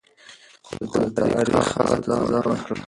خو تاریخ هغه ته سزا ورکړه.